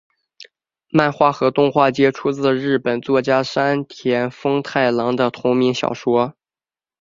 漫画和动画皆自日本作家山田风太郎的同名小说。